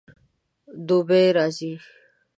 دوبی راځي